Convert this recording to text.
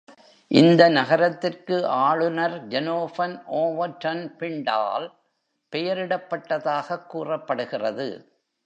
இந்த நகரத்திற்கு ஆளுநர் ஜெனோபன் ஓவர்டன் பிண்டால் பெயரிடப்பட்டதாகக் கூறப்படுகிறது.